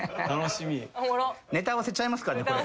ネタ合わせちゃいますからねこれ。